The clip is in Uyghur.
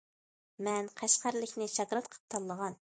مەن قەشقەرلىكنى شاگىرت قىلىپ تاللىغان.